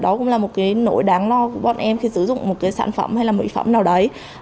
đó cũng là một cái nỗi đáng lo của bọn em khi sử dụng một cái sản phẩm hay là mỹ phẩm nào đấy